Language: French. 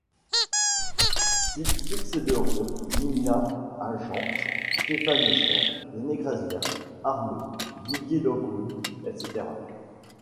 S'y succèderont Nina Hagen, Stephan Eicher, Les Négresses Vertes, Arno, Didier Lockwood, etc.